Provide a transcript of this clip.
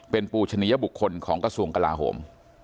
เป็นปูชนิยบุคคลของกระทรวงกลาโหม